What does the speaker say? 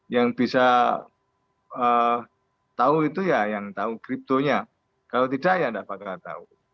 yang bisa tahu itu ya yang tahu kriptonya kalau tidak ya tidak bakal tahu